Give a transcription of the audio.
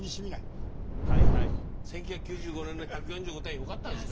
１９９５年の１４５点はよかったんですね。